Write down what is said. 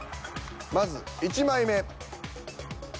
まず１枚目。